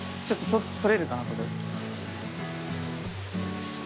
ちょっと撮れるかな？